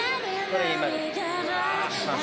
「これ今です」